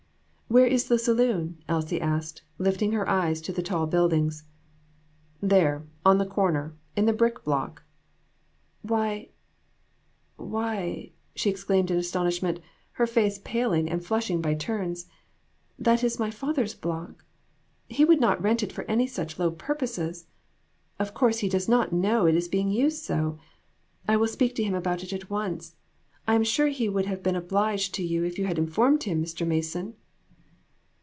"Where is the saloon?" Elsie asked, lifting her eyes to the tall buildings. "There, on the corner, in the brick block." "Why, why!" she exclaimed in astonishment, her face paling and flushing by turns; "that is my father's block. He would not rent it for any such low purposes. Of course, he does not know it is being so used ; I will speak to him about it at once. I am sure he would have" been obliged to you if you had informed him, Mr. Mason."